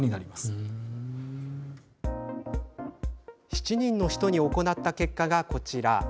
７人の人に行った結果がこちら。